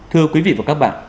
thưa quý vị và các bạn